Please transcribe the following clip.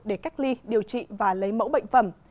để cách ly điều trị và lấy mẫu bệnh phẩm